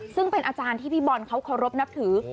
ซึ่งเป็นอาจารย์ที่พี่บอลเขาเคารพนับถือ